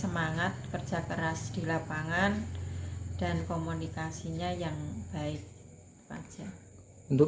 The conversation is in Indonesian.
semangat kerja keras di lapangan dan komunikasinya yang baik aja untuk